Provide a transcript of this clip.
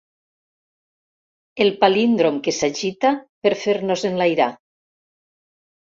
El palíndrom que s'agita per fer-nos enlairar.